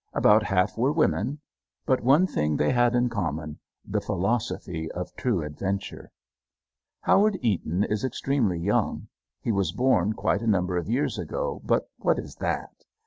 About half were women. But one thing they had in common the philosophy of true adventure. Howard Eaton is extremely young. He was born quite a number of years ago, but what is that?